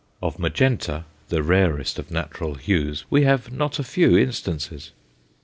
Of magenta, the rarest of natural hues, we have not a few instances.